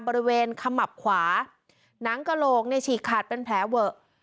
ขมับขวาหนังกระโหลกเนี่ยฉีกขาดเป็นแผลเวอะ